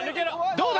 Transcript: どうだ？